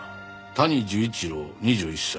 谷寿一郎２１歳。